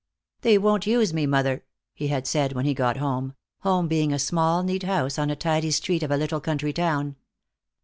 "They won't use me, mother," he had said when he got home, home being a small neat house on a tidy street of a little country town.